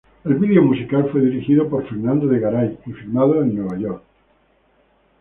El video musical fue dirigido por Fernando de Garay y filmado en Nueva York.